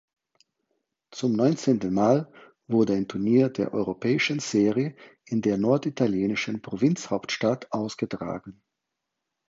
Zum neunzehnten Mal wurde ein Turnier der europäischen Serie in der norditalienischen Provinzhauptstadt ausgetragen.